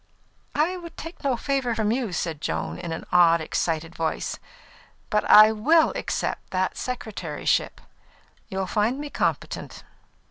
"I would take no favour from you," said Joan, in an odd, excited voice. "But I will accept that secretaryship; you'll find me competent."